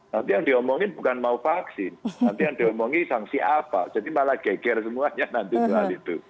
nanti yang diomongin bukan mau vaksin nanti yang diomongi sanksi apa jadi malah geger semuanya nanti soal itu